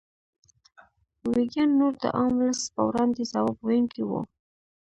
ویګیان نور د عام ولس په وړاندې ځواب ویونکي وو.